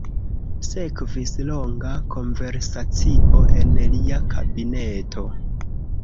Sekvis longa konversacio en lia kabineto.